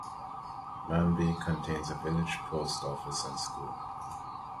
Manby contains a village post office and school.